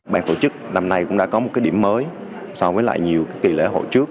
bàn tổ chức năm nay cũng đã có một điểm mới so với lại nhiều kỳ lễ hội trước